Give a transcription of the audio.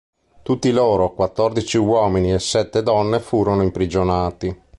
Tutti loro, quattordici uomini e sette donne, furono imprigionati.